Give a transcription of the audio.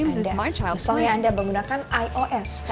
misalnya anda menggunakan ios